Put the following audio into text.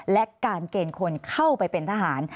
และการเกณฑ์คนเข้าไปเป็นทหาร